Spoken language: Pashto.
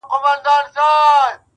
د ګیدړ تر ناز د زمري څيرل ښه دي -